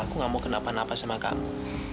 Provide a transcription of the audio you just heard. aku gak mau kena apa apa sama kamu